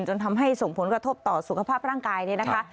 จนทำให้ส่งผลกระทบต่อสุขภาพร่างกายเนี่ยนะคะ